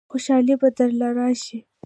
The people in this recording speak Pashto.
خوشالۍ به درله رايشي.